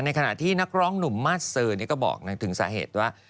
ขณะที่นักร้องหนุ่มมาสเซอร์ก็บอกถึงสาเหตุว่า